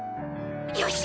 よし！